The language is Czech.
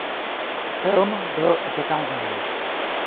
Film byl zakázán.